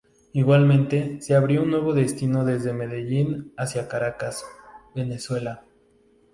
Igualmente se abrió un nuevo destino desde Medellín hacia Caracas, Venezuela.